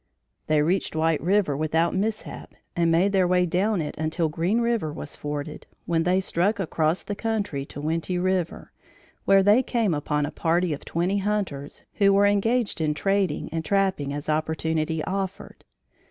They reached White River without mishap, and made their way down it until Green River was forded, when they struck across the country to Winty River, where they came upon a party of twenty hunters, who were engaged in trading and trapping as opportunity offered.